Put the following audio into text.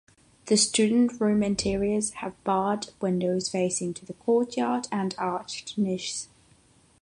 The student room interiors have barred windows facing to the courtyard and arched niches.